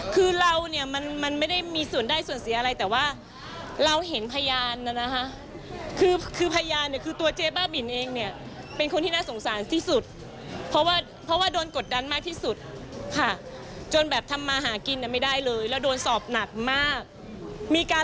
เขาโดนสอบเยอะมากจริงค่ะ